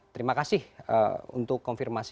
terima kasih untuk konfirmasi